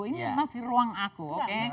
ini masih ruang aku